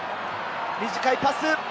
短いパス。